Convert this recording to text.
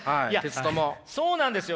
そうなんですよ。